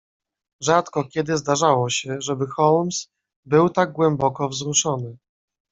"Rzadko kiedy zdarzało się, żeby Holmes był tak głęboko wzruszony."